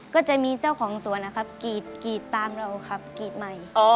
ก็จะมีเจ้าของสวนนะครับกรีดตามเราครับกรีดใหม่